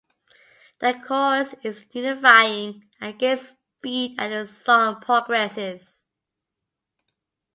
The chorus is "unifying" and gains speed as the song progresses.